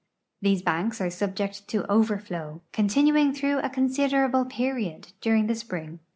These banks are subject to overfiow, continuing through a considerable period, during the spring.